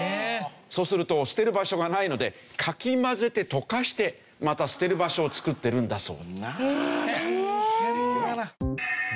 そうすると捨てる場所がないのでかき混ぜて溶かしてまた捨てる場所を作ってるんだそうです。